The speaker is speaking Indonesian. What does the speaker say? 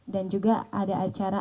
dan juga ada acara